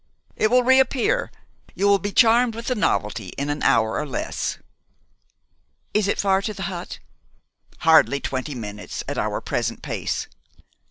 "It will reappear. You will be charmed with the novelty in an hour or less." "Is it far to the hut?" "Hardly twenty minutes at our present pace."